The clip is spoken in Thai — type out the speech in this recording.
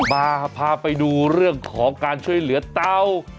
พาไปดูเรื่องของการช่วยเหลือเตา